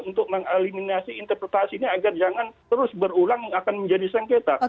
untuk mengeliminasi interpretasi ini agar jangan terus berulang akan menjadi sengketa